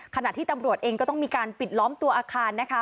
ขณะที่ตำรวจเองก็ต้องมีการปิดล้อมตัวอาคารนะคะ